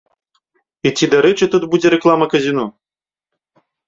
І ці дарэчы тут будзе рэклама казіно?